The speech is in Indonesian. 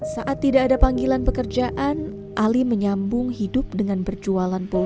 saat tidak ada panggilan pekerjaan ali menyambung hidup dengan berjualan pohon